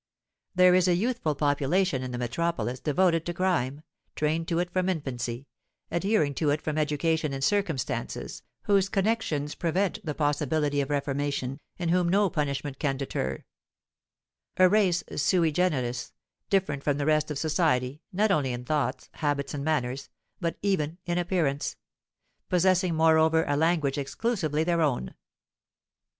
"There is a youthful population in the metropolis devoted to crime, trained to it from infancy, adhering to it from education and circumstances, whose connections prevent the possibility of reformation, and whom no punishment can deter; a race 'sui generis,' different from the rest of society, not only in thoughts, habits, and manners, but even in appearance; possessing, moreover, a language exclusively their own.